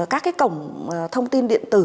các cái cổng thông tin điện tử